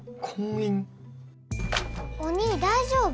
お兄大丈夫？